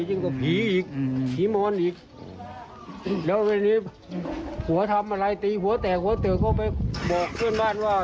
ยิ่งกว่าผีอีกผีมอนอีกแล้วทีนี้หัวทำอะไรตีหัวแตกหัวเตะเข้าไปบอกเพื่อนบ้านว่า